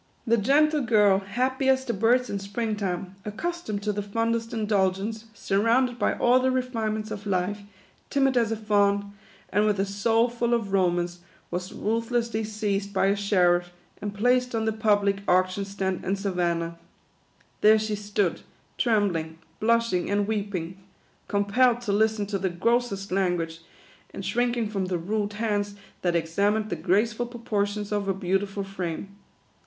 The gentle girl, happy as the birds in spring time, accustomed to the fondest indulgence, surrounded by all the refinements of life, timid as a fawn, and with 7 74 THE QUADROONS. a soul full of romance, was ruthlessly seized by a sheriff, and placed on the public auction stand in Sa vannah. There she stood, trembling, blushing, and weeping ; compelled to listen to the grossest language, and shrinking from the rude hands that examined the graceful proportions of her beautiful frame.